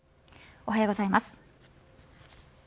おはようございます。